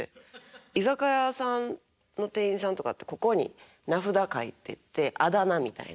居酒屋さんの店員さんとかってここに名札書いててあだ名みたいな。